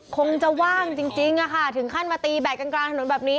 คงจะว่างจริงอะค่ะถึงขั้นมาตีแดดกลางถนนแบบนี้